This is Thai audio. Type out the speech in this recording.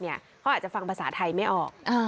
เขาอาจจะฟังภาษาไทยไม่ออก